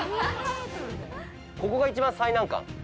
◆ここが一番最難関。